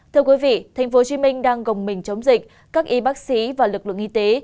thưa quý vị tp hcm đang gồng mình chống dịch các y bác sĩ và lực lượng y tế